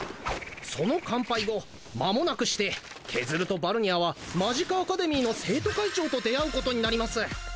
その完敗後まもなくしてケズルとバルニャーはマジカアカデミーの生徒会長と出会うことになります